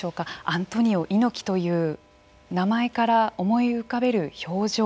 アントニオ猪木という名前から思い浮かべる表情